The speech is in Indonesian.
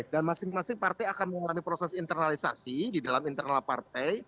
dan masing masing partai akan mengalami proses internalisasi di dalam internal partai